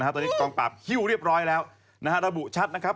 ตอนนี้กองปราบฮิ้วเรียบร้อยแล้วระบุชัดนะครับ